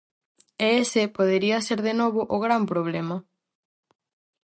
E ese podería ser de novo o gran problema.